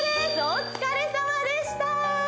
お疲れさまでした！